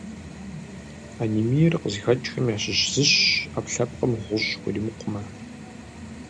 Анемиер къызыхэкӏхэм ящыщ зыщ ӏэпкълъэпкъым гъущӏ хуримыкъумэ.